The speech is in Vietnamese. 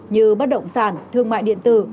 như bất động sản thương mại điện tử